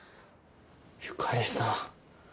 ゆかりさん。